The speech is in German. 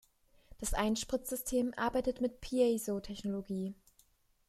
Das Einspritzsystem arbeitet mit Piezo-Technologie.